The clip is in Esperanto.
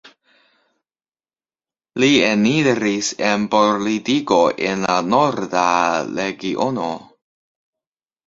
Li eniris en politiko en la Norda Regiono.